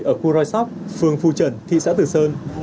ở khu roi sop phường phu trần thị xã từ sơn